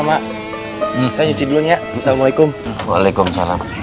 mak saya nyuci dulu ya assalamualaikum waalaikumsalam